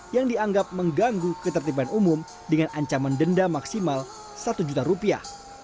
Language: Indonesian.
yang dianggap mengganggu ketertiban umum dengan ancaman denda maksimal satu juta rupiah